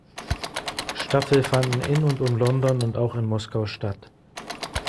Staffel fanden in und um London und auch in Moskau statt.